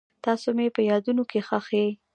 تاسو مې په یادونو کې ښخ یئ.